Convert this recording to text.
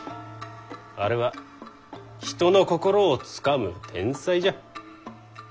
あれは人の心をつかむ天才じゃ。